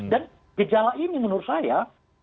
dan gejala ini menurut saya